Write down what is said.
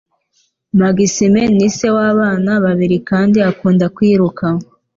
Maxime ni se w'abana babiri kandi akunda kwiruka.